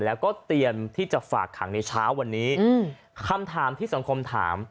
แล้วก็เตรียมที่จะฝากขังในเช้าวันนี้อืมคำถามที่สังคมถาม